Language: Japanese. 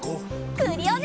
クリオネ！